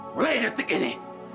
boleh detik ini